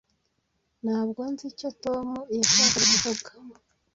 Ntabwo nzi icyo Tom yashakaga kuvuga.